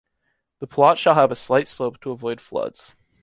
The plot shall have a slight slope to avoid floods.